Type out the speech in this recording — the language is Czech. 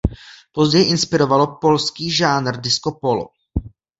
Později inspirovalo polský žánr disco polo.